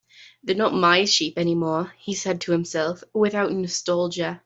"They're not my sheep anymore," he said to himself, without nostalgia.